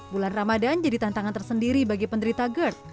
bulan ramadan jadi tantangan tersendiri bagi penderita gerd